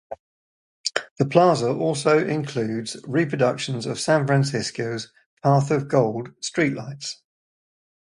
The Plaza also includes reproductions of San Francisco's "Path of Gold" streetlights.